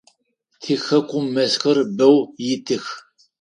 Тихэкум мэзхэр бэу итых.